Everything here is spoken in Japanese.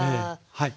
はい。